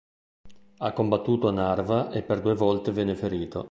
Ha combattuto a Narva e per due volte venne ferito.